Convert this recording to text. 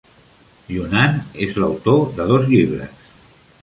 Younan és l'autor de dos llibres.